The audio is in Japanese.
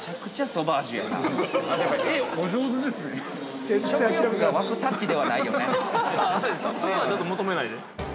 ◆そこはちょっと求めないで。